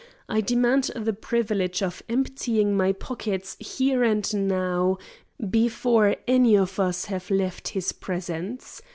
I demand the privilege of emptying my pockets here and now, before any of us have left his presence.